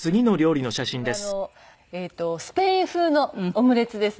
これはスペイン風のオムレツですね。